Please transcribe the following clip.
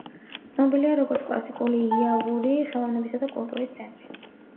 ცნობილია როგორც კლასიკური იავური ხელოვნებისა და კულტურის ცენტრი.